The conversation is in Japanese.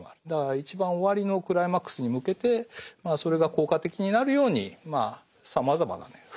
だから一番終わりのクライマックスに向けてそれが効果的になるようにさまざまなね